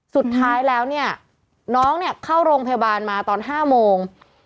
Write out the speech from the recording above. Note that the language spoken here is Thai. สุดท้ายแล้วเนี่ยน้องเนี่ยเข้าโรงพยาบาลมาตอน๕โมง